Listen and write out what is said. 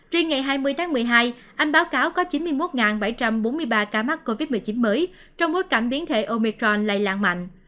trên ngày hai mươi tháng một mươi hai anh báo cáo có chín mươi một bảy trăm bốn mươi ba ca mắc covid một mươi chín mới trong bối cảnh biến thể omicron lây lan mạnh